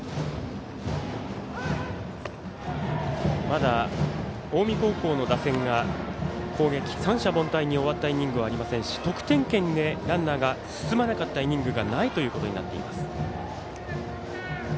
まだ近江高校の打線が攻撃三者凡退に終わったイニングありませんし得点圏にランナーが進まなかったイニングがないということになっています。